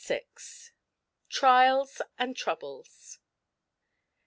TRIALS AND TROUBLES.